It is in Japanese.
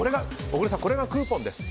小倉さん、これがクーポンです。